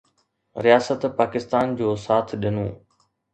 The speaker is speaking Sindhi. رياست پاڪستان جو ساٿ ڏنو